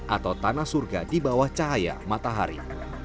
atau tanah surga di bawah cahaya matahari